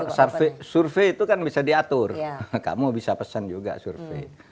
karena survei itu kan bisa diatur kamu bisa pesan juga survei